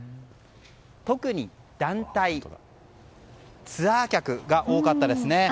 特に団体、ツアー客が多かったですね。